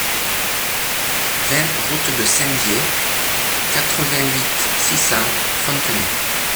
vingt route de Saint-Dié, quatre-vingt-huit, six cents, Fontenay